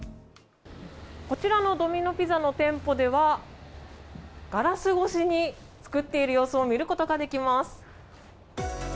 こちらのドミノ・ピザの店舗では、ガラス越しに作っている様子を見ることができます。